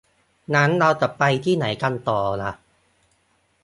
งั้น เราจะไปที่ไหนกันต่อล่ะ ?